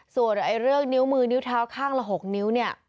ส่วนเรื่องนิ้วมือนิ้วเท้าข้างละ๖นิ้วเนี่ย